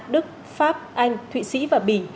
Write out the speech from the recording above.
đức pháp anh thụy sĩ và bỉ